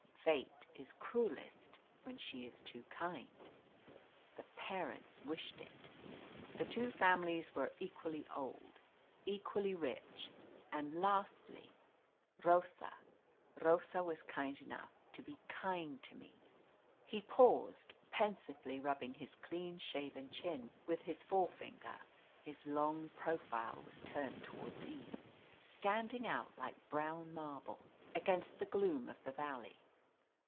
Fate is cruellest when she is too kind. The parents wished it. The two families were equally old, equally rich; and lastly Rosa Rosa was kind enough to be kind to me." He paused, pensively rubbing his clean shaven chin with his forefinger, his long profile was turned towards Eve, standing out like brown marble against the gloom of the valley.